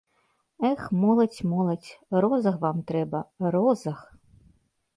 Эх, моладзь, моладзь, розаг вам трэба, розаг!